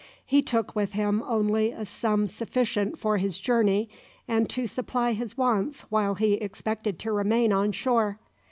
He took with him only a sum sufficient for his journey and to supply his wants while he expected to remain on shore.